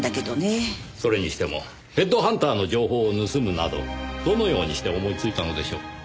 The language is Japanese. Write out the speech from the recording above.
それにしてもヘッドハンターの情報を盗むなどどのようにして思いついたのでしょう？